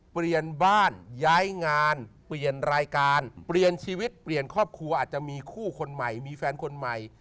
เปลี่ยนบ้านย้ายงานเปลี่ยนรายการเปลี่ยนชีวิตเปลี่ยนครอบครัวอาจจะมีคู่คนใหม่มีแฟนคนใหม่